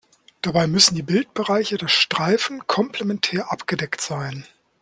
Dabei müssen die Bildbereiche der Streifen komplementär abgedeckt sein.